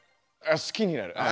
「あ好きになる」。